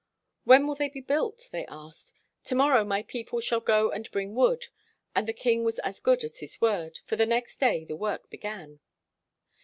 "When will they be built?" they asked. " To morrow my people shall go and bring wood," and the king was as good as his word ; for the next day the work began.